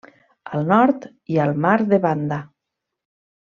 Al nord hi ha el mar de Banda.